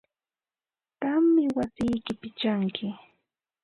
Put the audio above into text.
Qammi wasiyki pichanki.